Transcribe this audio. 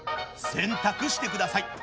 選択してください。